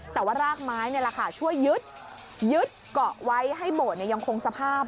แต่ว่ารากไม้ช่วยยึดเกาะไว้ให้โบสถ์ยังคงสภาพ